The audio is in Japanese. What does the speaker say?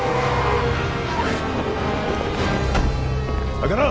開けろ！